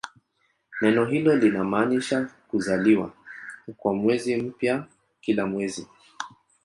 Neno hilo linamaanisha "kuzaliwa" kwa mwezi mpya kila mwezi.